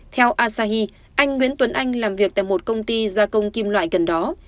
theo asahi anh nguyễn tuấn anh làm việc tại một công ty gia công kim loại gần đó